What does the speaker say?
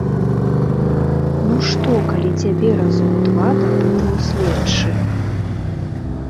Ну што, калі цябе разоў два дапытваў следчы?